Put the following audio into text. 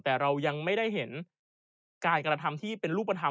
แต่เรายังไม่ได้เห็นการกระทำที่เป็นรูปธรรม